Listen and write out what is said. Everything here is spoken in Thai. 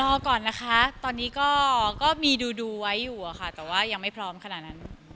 รอก่อนนะคะตอนนี้ก็มีดูไว้อยู่อะค่ะแต่ว่ายังไม่พร้อมขนาดนั้น